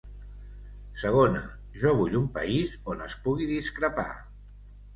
Segona, jo vull un país on es pugui discrepar.